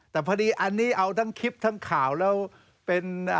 แต่พอดีอันนี้เอาทั้งคลิปทั้งข่าวแล้วเป็น